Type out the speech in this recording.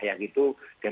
yang itu demikian